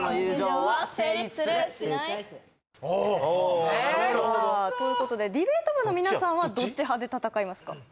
おおさあということでディベート部の皆さんはどっち派で戦いますか？